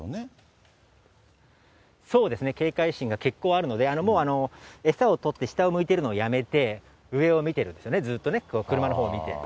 そうですね、警戒心が結構あるので、もう餌を取って下を向いているのをやめて、上を見てるんですね、ずっとね、車のほう見てる。